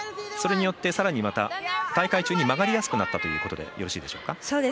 それによって、さらにまた大会中に、曲がりやすくなったということでよろしいでしょうか。